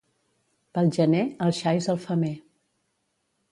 Pel gener, els xais al femer.